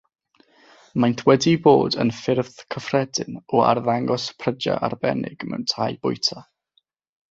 maent wedi bod yn ffyrdd cyffredin o arddangos prydau arbennig mewn tai bwyta.